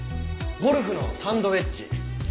ゴルフのサンドウェッジ。